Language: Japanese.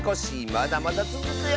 まだまだつづくよ！